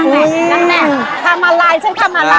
นั่นแหละทำอะไรฉันทำอะไร